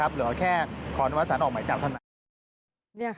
เหลือแค่ขออนุญาตสึดิ์ออกหมายจากท่าน